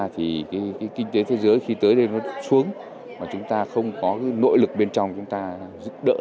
thì cái kinh tế thế giới khi tới đây nó xuống mà chúng ta không có cái nội lực bên trong chúng ta giúp đỡ thì sẽ rất khó khăn